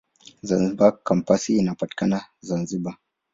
Zanzibar Kampasi inapatikana Zanzibar.